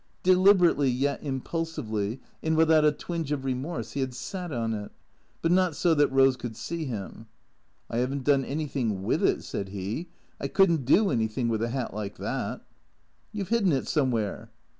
Deliberately, yet impulsively, and without a twinge of re morse, he had sat on it. But not so that Eose could see him. "I have n't done anything with it," said he, " I could n't do anything with a hat like that." " You 've 'idden it somewhere."